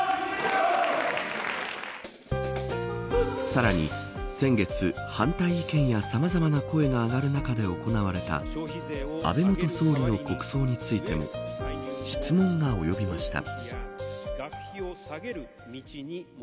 さらに、先月反対意見やさまざまな声が上がる中で行われた安倍元総理の国葬についても質問が及びました。